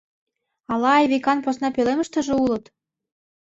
Ала Айвикан посна пӧлемыштыже улыт?